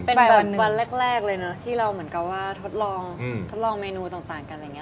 เป็นวันแรกเลยเนอะที่เราเหมือนกับว่าทดลองเมนูต่างกันอย่างเงี้ย